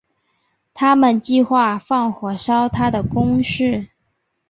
他们计划放火烧他的宫室。